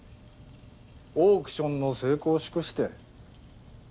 オークションの成功を祝して。